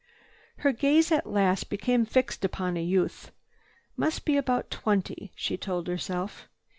Her gaze at last became fixed upon a youth. "Must be about twenty," she told herself.